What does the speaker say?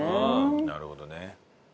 なるほどね。